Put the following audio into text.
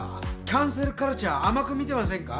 キャンセルカルチャー甘く見てませんか？